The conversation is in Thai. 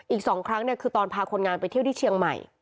อีก๒ครั้งคือตอนพาคนงานไปเที่ยวที่เชียงใหม่